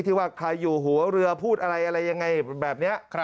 ที่ว่าใครอยู่หัวเรือพูดอะไรอะไรยังไงแบบนี้